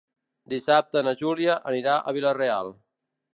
Dissabte na Júlia anirà a Vila-real.